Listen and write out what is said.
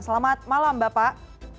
selamat malam bapak